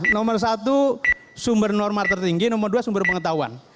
nomor satu sumber norma tertinggi nomor dua sumber pengetahuan